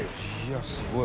すごい。